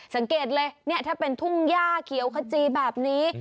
สังเกตเลยเนี่ยถ้าเป็นทุ่งย่าเขียวขจีแบบนี้